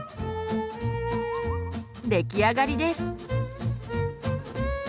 出来上がりです。